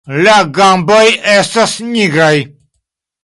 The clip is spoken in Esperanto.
La gamboj estas nigraj.